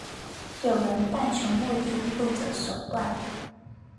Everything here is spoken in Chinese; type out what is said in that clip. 有人但求目的不择手段。